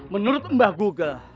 menurut mbah google